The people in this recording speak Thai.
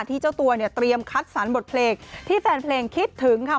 เจ้าตัวเนี่ยเตรียมคัดสรรบทเพลงที่แฟนเพลงคิดถึงค่ะ